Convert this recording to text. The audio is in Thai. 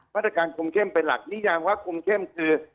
มาตรการคุมเข้มเป็นหลักนิยามว่าคุมเข้มคือ